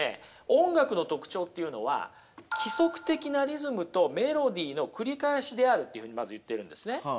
音楽の特徴というのは規則的なリズムとメロディーの繰り返しであるというふうにまず言っているんですね。